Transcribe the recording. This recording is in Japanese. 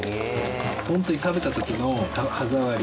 ホントに食べた時の歯触り